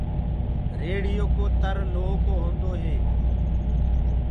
ريڙهيو ڪوُ تر لوه ڪو هوندو هي۔